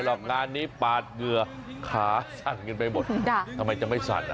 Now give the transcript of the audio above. งานนี้ปาดเหงื่อขาสั่นกันไปหมดทำไมจะไม่สั่นอ่ะ